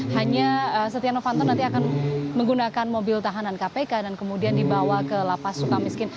hanya setia novanto nanti akan menggunakan mobil tahanan kpk dan kemudian dibawa ke lapas suka miskin